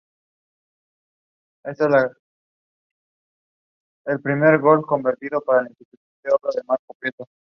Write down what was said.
Está conformado por ochenta y cuatro municipios.